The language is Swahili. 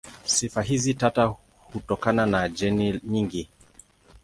Sifa hizi tata hutokana na jeni nyingi.